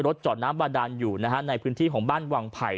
รถเจาะน้ำบาดานอยู่ในพื้นที่ของบ้านวังไผ่